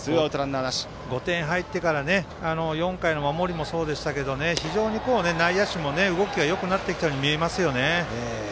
５点入ってから４回の守りもそうでしたけど非常に内野手も動きがよくなってきたように見えますよね。